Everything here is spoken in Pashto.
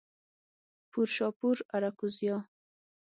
پورشاپور، آراکوزیا